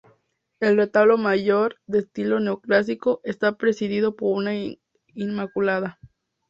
El retablo mayor, de estilo neoclásico, está presidido por una Inmaculada.